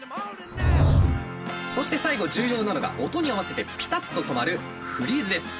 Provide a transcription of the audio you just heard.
そして最後重要なのが音に合わせてピタッと止まるフリーズです。